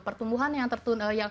pertumbuhan yang tertunda